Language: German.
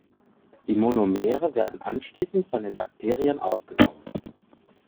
Die Monomere werden anschließend von den Bakterien aufgenommen.